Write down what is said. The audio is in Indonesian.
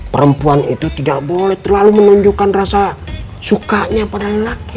perempuan itu tidak boleh terlalu menunjukkan rasa sukanya pada lelaki